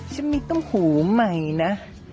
ฉันมีตุ้มหูใหม่นะ